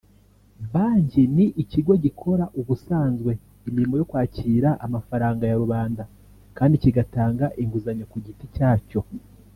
Banki ni ikigo gikora ubusanzwe imirimo yo kwakira amafaranga ya rubanda kandi kigatanga inguzanyo ku giti cyacyo